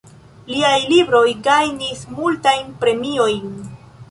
Liaj libroj gajnis multajn premiojn.